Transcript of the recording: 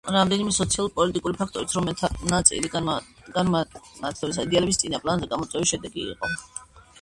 არსებობდა რამდენიმე სოციალურ-პოლიტიკური ფაქტორიც, რომელთა დიდი ნაწილი განმანათლებლობის იდეალების წინა პლანზე წამოწევის შედეგი იყო.